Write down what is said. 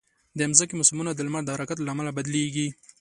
د مځکې موسمونه د لمر د حرکت له امله بدلېږي.